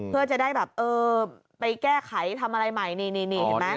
เพื่อจะได้แบบเออไปแก้ไขทำอะไรใหม่นี่เห็นไหม